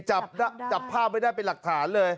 จับภาพไว้ได้เป็นหลักฐานเลย